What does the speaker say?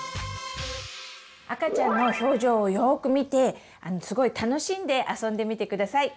赤ちゃんの表情をよく見てすごい楽しんで遊んでみてください。